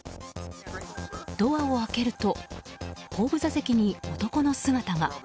ドアを開けると後部座席に男の姿が。